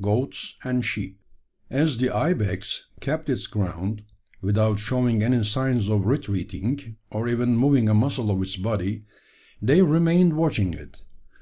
GOATS AND SHEEP. As the ibex kept its ground, without showing any signs of retreating, or even moving a muscle of its body, they remained watching it.